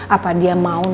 apa dia mau nolong